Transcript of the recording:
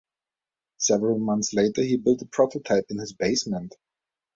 Several months later he built a prototype in his basement.